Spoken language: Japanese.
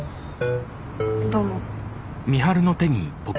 どうも。